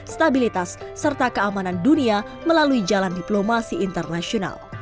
stabilitas serta keamanan dunia melalui jalan diplomasi internasional